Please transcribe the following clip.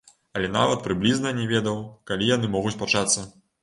Але нават прыблізна не ведаў, калі яны могуць пачацца.